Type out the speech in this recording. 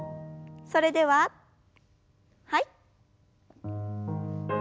それでははい。